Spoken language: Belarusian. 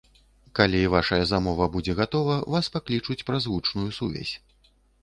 Калі вашая замова будзе гатова, вас паклічуць праз гучную сувязь.